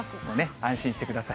安心してください。